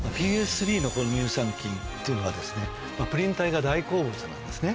３乳酸菌っていうのがプリン体が大好物なんですね。